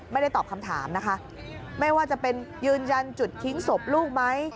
ไม่ได้ตอบคำถามนะคะไม่ว่าจะเป็นยืนยันจุดทิ้งศพลูกไหม